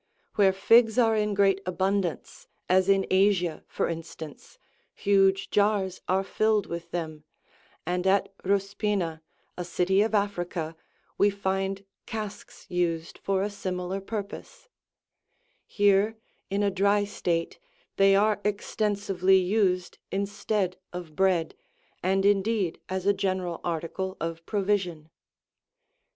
87 Where figs are in great abundance, as in Asia, for instance, huge jars8' are filled with them, and at Euspina, a city of Africa, we find casks 89 used for a similar purpose : here, in a dry state, they are extensively used instead of bread,90 and indeed as a general article of provision.